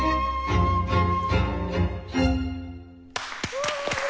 すごーい！